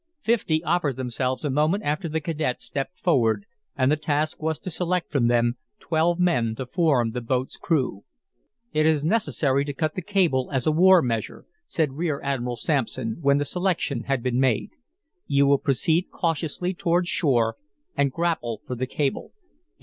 Fifty offered themselves a moment after the cadet stepped forward, and the task was to select from them twelve men to form the boat's crew. "It is necessary to cut the cable as a war measure," said Rear Admiral Sampson, when the selection had been made. "You will proceed cautiously toward shore and grapple for the cable.